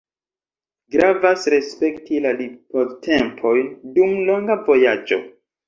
Gravas respekti la ripoztempojn dum longa vojaĝo.